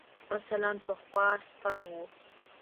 مثلاً پخوا سپر ؤ.